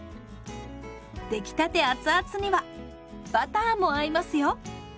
出来たてアツアツにはバターも合いますよ！